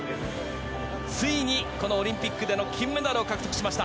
ついにこのオリンピックでの金メダルを獲得しました。